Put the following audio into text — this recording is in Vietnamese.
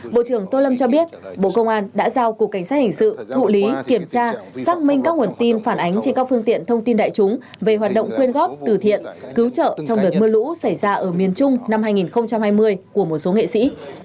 bộ trưởng tô lâm cho biết bộ công an đã giao cục cảnh sát hình sự thụ lý kiểm tra xác minh các nguồn tin phản ánh trên các phương tiện thông tin đại chúng về hoạt động quyên góp từ thiện cứu trợ trong đợt mưa lũ xảy ra ở miền trung năm hai nghìn hai mươi của một số nghệ sĩ